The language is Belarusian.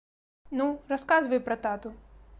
Ну, расказвай пра тату.